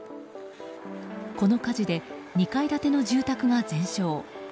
この火事で２階建ての住宅が全焼。